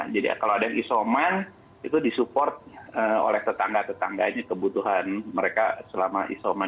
jadi kalau ada yang isoman itu disupport oleh tetangga tetangganya kebutuhan mereka selama isoman